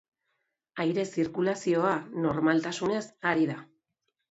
Aire-zirkulazioa normaltasunez ari da.